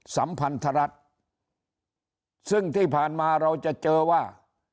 สัมพันธรัฐซึ่งที่ผ่านมาเราจะเจอว่า